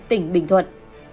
tỉnh bình thuận